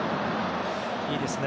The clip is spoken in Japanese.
いいですね。